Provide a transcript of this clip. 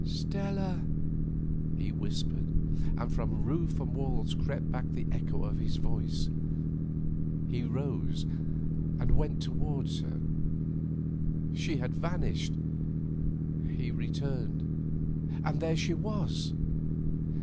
"Stella," he whispered, and from roof and walls crept back the echo of his voice. He rose and went towards her. She had vanished. He returned, and there she was.